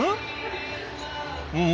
うん？